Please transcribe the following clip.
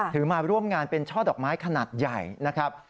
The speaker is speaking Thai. มาร่วมงานเป็นช่อดอกไม้ขนาดใหญ่นะครับ